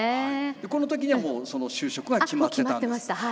この時にはもうその就職は決まってたんですか？